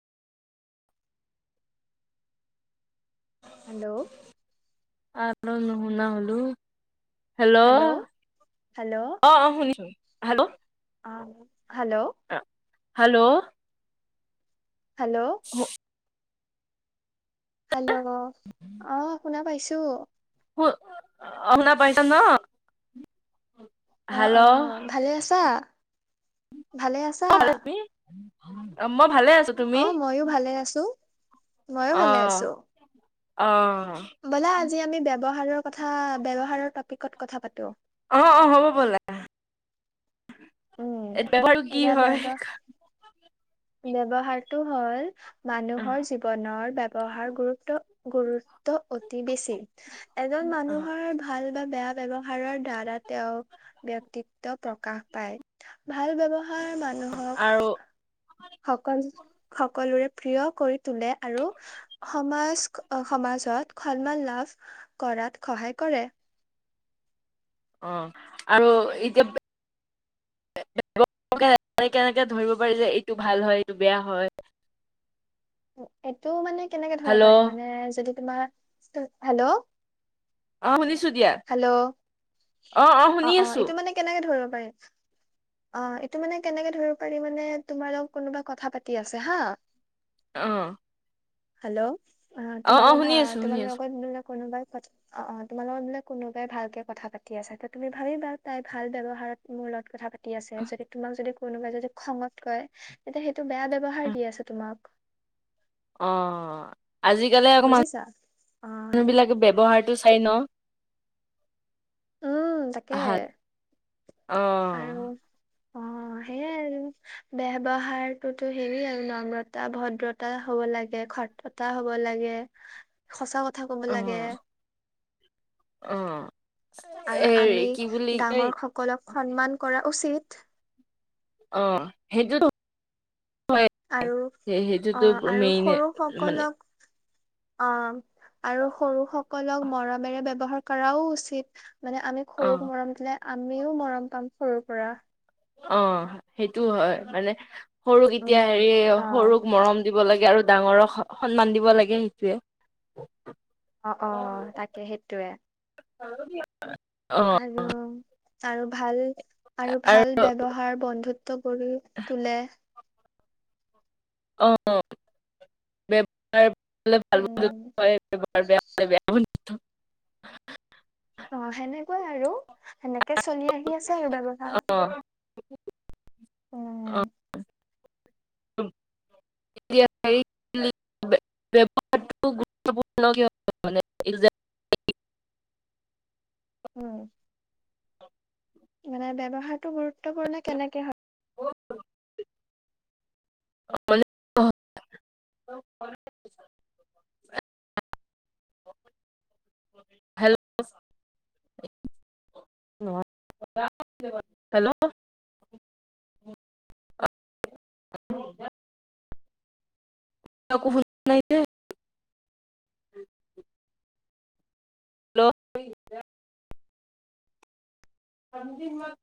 হয় [inaudible] হেল্ল'। আৰু নশুনা হলোঁ। [unintelligible] হেল্ল' হেল্ল' অ', অ', শুনিছোঁ হেল্ল'। অ', হেল্ল'। অ', হেল্ল'। হেল্ল'। ঘ [inaudible] হেল্ল' অ', শুনা পাইছোঁ। অ', শুনা পাইছা ন? অ হেল্ল'। অ ভালে আছা। ভালে আছা ক'ত হা মই ভালে আছোঁ। অ', মইও ভালো আছোঁ, মইও অ ভালে আছোঁ। অ'। ব'লা আজি আমি ব্যয়ৱহাৰৰ কথা ব্যয়ৱহাৰৰ টপিকত কথা পাতো। অ', অ', হ'ব বল লা। উম এতিয়া বাৰু কি এতিয়া হয় ব্যৱ [unintelligible] ব্যৱহাৰটো হ'ল মানুহৰ জীৱ বনৰ ব্যৱহাৰ গুৰুত্ব, গুৰুত্ব অতি বেছি। এজন মানুহৰ ভাল বা বেয়া ব্যৱহাৰ দাৰা তেওঁ ব্যক্তিত্ব প্ৰকাশ পায় ভাল ব্যৱহাৰ মান আৰু। সকল সকলোৰে প্ৰিয় কৰি তোলে আৰু সমাজ সমাজত খলমাল লাভ কৰাত সহায় কৰে। অ', আৰু এতিয়া কেনেকে ধৰিব পাৰি যে এইটো ভাল হয়, এইটো বেয়া হয়। এইটো মানে কেনেকে ধব পাৰিম হেল্ল' মানে যদি তোমাৰ, হেল্ল'। অ', শুনিছোঁ দিয়া। হেল্ল' অ', অ', এইটো মানে কেনেকে ধৰিব পাৰি। অ', এইটো মানে কেনেকে ধৰিব পাৰি মানে, তোমাৰ লগত কোনোবা কথা পাতি আছে হা। [inaudible] অ'। হেল্ল' অ তোমা অ লৈ শুনি আছো শুনি তোমাল আছো আগত কোনোবাই অ অ তোমাৰ লগত বুলে কোনোবাই ভালকে কথা পাতি আছে ত তুমি ভালকে পাত, তাই ভাল ব্যৱহাৰত মোৰ লগত কথা পা তি আছে যদি তোমাক যদি কোনোবাই যদি খঙত কয়, তেতিয়া সেইটো বেয়া ব্যয়ৱহাৰ অ দি আছে তোমাক। অ আজিকালি অক বুজিছা অ সেই মানুহবিলাকে ব্যৱহাৰটো চাই ন? উম তাকে, ভাল অ আৰু অ। অ সেয়াই আৰু ব্যৱহাৰটোতো হেৰি আৰু নম্ৰতা ভদ্ৰতা হব লাগে স ততা হ'ব লাগে, সচা কথা ক'ব অ লাগে। অ হেৰি কি বুলি কয় কলক সন্মান কৰা উচিত। অ সেইটোতো হয়। আৰু অ সেইটোতো আৰু মেইনে সৰু মানে সকলক, অ আৰু সৰু সকলক মৰমেৰে ব্যৱহাৰ কৰাও উচিত, মানে আমি অ সৰুক মৰম দিলে আমিও মৰম পাম সৰুৰ পৰা। অ সেইটো হয়, মানে সৰুক এতিয়া উম হেৰি অ সৰুক মৰম দিব লাগে আৰু ডাঙৰক স সন্মান দিব লাগে সেইটোৱে। অ অ তাকে সেইটোৱে। হ'ব দিয়ক আৰু আৰু ভাল আৰু ভাল ব্যৱহাৰ বন্ধু ত্ব গঢ়ি তোলে। উম [unintelligible] অ সেনেকুৱাই আৰু সেনেকে চলি আহি আছে আৰু ব্যৱহাৰ। [unintelligible] অ উম [unintelligible] বোৰ গুৰুত্বপূৰ্ণ কিহৰ কাৰণে, এই যে উম। মানে ব্যৱহাৰতো গুৰুত্বপূৰ্ণ কেনেকে হয়, [unintelligible] [inaudible] হেল্লো' [unintelligible] [unintelligible] হেল্লো' [unintelligible] [unintelligible] হেল্লো' [unintelligible]